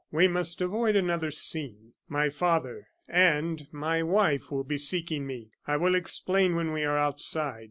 We must avoid another scene. My father and my wife will be seeking me. I will explain when we are outside."